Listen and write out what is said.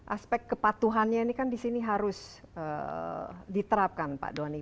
aspek kepatuhannya ini kan di sini harus diterapkan pak doni